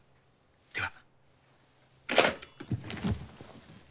では。